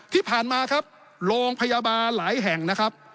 ที่ผ่านมาครับโรงพยาบาลหลายแห่งนะครับ